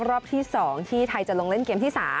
รอบที่๒ที่ไทยจะลงเล่นเกมที่๓